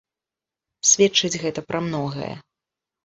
Сведчыць гэта пра многае.